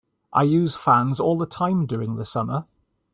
I use fans all the time during the summer